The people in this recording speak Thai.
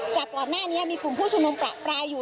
จากก่อนหน้านี้มีกลุ่มผู้ชุมนุมประปรายอยู่